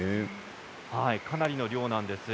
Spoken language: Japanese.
かなりの量なんです。